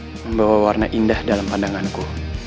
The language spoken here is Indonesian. membawa warna indah dalam pandanganku